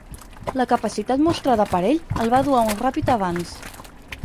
La capacitat mostrada per ell el va dur a un ràpid avanç.